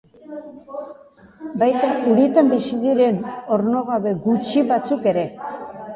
Baita uretan bizi diren ornogabe gutxi batzuk ere.